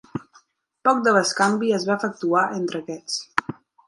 Poc de bescanvi es va efectuar entre aquests.